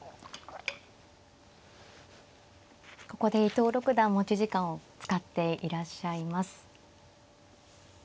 ここで伊藤六段持ち時間を使っていらっしゃいます。